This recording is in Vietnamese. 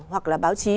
hoặc là báo chí